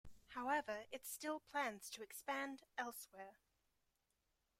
However, it still plans to expand elsewhere.